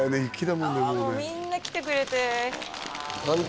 もうみんな来てくれて監督